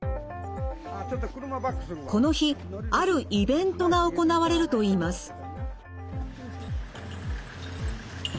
この日あるイベントが行われるといいます。